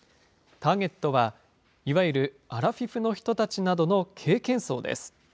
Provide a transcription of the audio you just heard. ターゲットは、いわゆるアラフィフの人たちなどの経験層です。